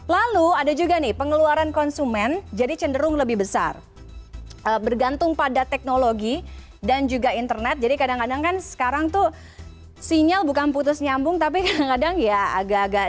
lalu ada juga nih pengeluaran konsumen jadi cenderung lebih besar bergantung pada teknologi dan juga internet jadi kadang kadang kan sekarang tuh sinyal bukan putus nyambung tapi kadang kadang ya agak agak